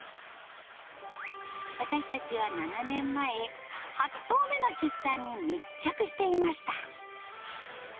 私たちは７年前、８頭目の出産に密着していました。